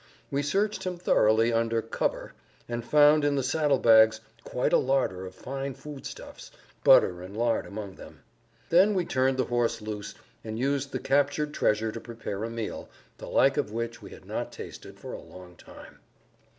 We searched him thoroughly under "cover," and found in the saddle bags quite a larder of fine foodstuffs, butter and lard among them. Then we turned the horse loose and used the captured treasure to prepare a meal, the like of which we had not tasted for a long time.